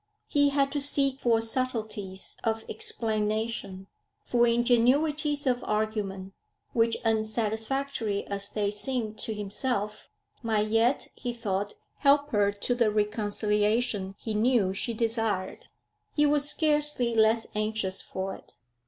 He had to seek for subtleties of explanation, for ingenuities of argument, which, unsatisfactory as they seemed to himself, might yet, he thought, help her to the reconciliation he knew she desired. He was scarcely less anxious for it.